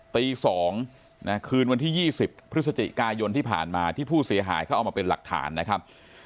ตี๒คืนวันที่๒๐พฤศจิกายนที่ผ่านมาที่ผู้เสียหายเขาเอามาเป็นหลักฐานนะครับ